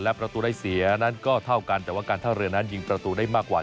และประตูได้เสียนั้นก็เท่ากันแต่ว่าการท่าเรือนั้นยิงประตูได้มากกว่า